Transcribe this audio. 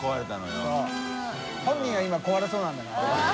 そう本人は今壊れそうなんだから。